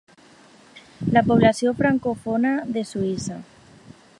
La població francòfona de Suïssa.